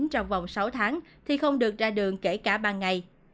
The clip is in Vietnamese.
trong vòng sáu tháng thì không được ra đường kể cả ban ngày